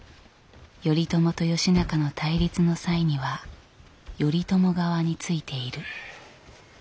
頼朝と義仲の対立の際には頼朝側についている。